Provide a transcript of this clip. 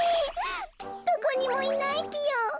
どこにもいないぴよ。